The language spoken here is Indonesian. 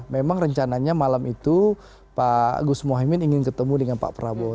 memang rencananya malam itu pak gus mohaimin ingin ketemu dengan pak prabowo